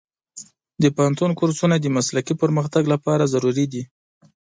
د پوهنتون کورسونه د مسلکي پرمختګ لپاره ضروري دي.